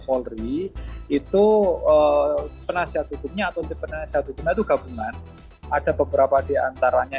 polri itu penasihat hukumnya atau di penasihat hukumnya itu gabungan ada beberapa diantaranya